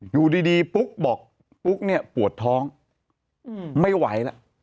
อยู่ดีปุ๊กบอกปุ๊กเนี่ยปวดท้องไม่ไหวแล้ว